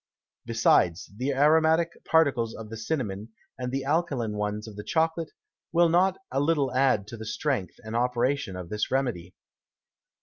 Besides, the aromatick Particles of the Cinnamon, and the alkaline ones of the Chocolate, will not a little add to the Strength and Operation of this Remedy.